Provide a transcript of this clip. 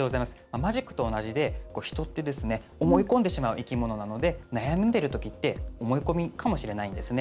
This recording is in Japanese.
マジックと同じで人って思い込んでしまう生き物なので悩んでいるときって思い込みかもしれないんですね。